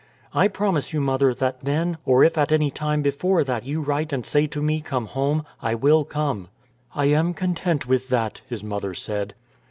"I promise you, mother, that then, or if at any time before that you write and say to me come home, I will come." "I am content with that," his mother said.